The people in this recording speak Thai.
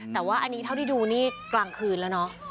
แต่ว่าอันนี้เท่าที่ดูนี่กลางคืนแล้วเนอะ